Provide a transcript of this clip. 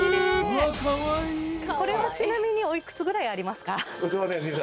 これはちなみにお幾つぐらいありますか？